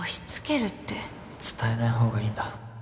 伝えない方がいいんだ